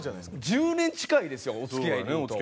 １０年近いですよお付き合いでいうと。